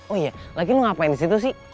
oh iya lagi lu ngapain di situ sih